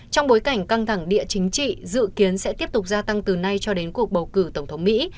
trong bối cảnh căng thẳng địa chính trị dự kiến sẽ tiếp tục gia tăng từ nay cho đến cuộc bầu cử tổng thống mỹ